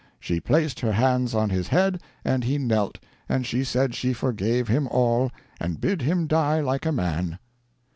She placed her hands on his head, and he knelt, and she said she forgave him all, and bid him die like a man."